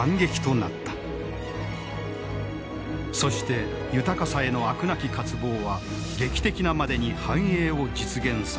そして豊かさへの飽くなき渇望は劇的なまでに繁栄を実現させた。